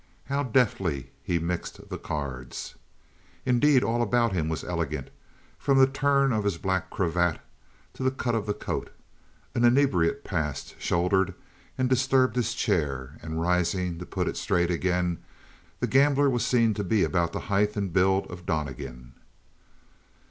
How deftly he mixed the cards! Indeed, all about him was elegant, from the turn of his black cravat to the cut of the coat. An inebriate passed, shouldered and disturbed his chair, and rising to put it straight again, the gambler was seen to be about the height and build of Donnegan.